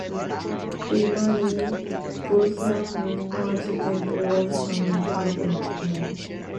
B. Mauney, Guilherme Marchi and Robson Palermo.